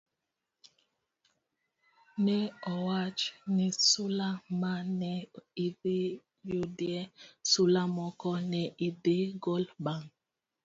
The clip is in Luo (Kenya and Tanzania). ne owach ni sula ma ne idhi yudie sula moko ne idhi gol bang'